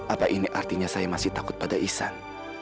apa ini artinya saya masih takut pada ihsan